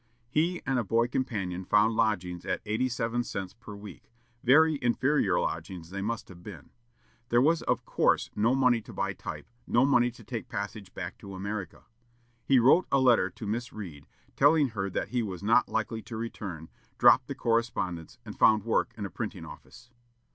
He and a boy companion found lodgings at eighty seven cents per week; very inferior lodgings they must have been. There was of course no money to buy type, no money to take passage back to America. He wrote a letter to Miss Read, telling her that he was not likely to return, dropped the correspondence, and found work in a printing office.